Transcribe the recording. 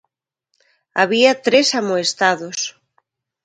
Había tres amoestados.